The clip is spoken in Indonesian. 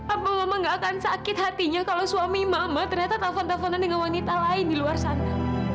apa mama gak akan sakit hatinya kalau suami mama ternyata kafon kafonan dengan wanita lain di luar sana